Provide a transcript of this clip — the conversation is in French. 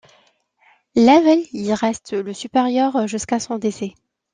Level y reste le supérieur jusqu'à son décès.